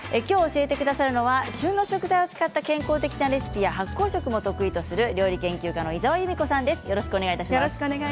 教えてくださるのは旬の食材を使った健康的なレシピや発酵食も得意とする料理研究家の井澤由美子さんです。